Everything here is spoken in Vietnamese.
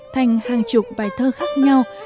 thành hàng chục bài thơ khác nhau